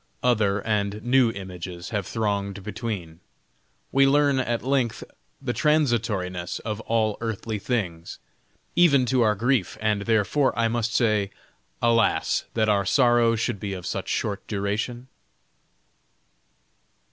Other and new images have thronged between; we learn at length the transitoriness of all earthly things, even to our grief, and, therefore. I must say "Alas, that our sorrow should be of such short duration?"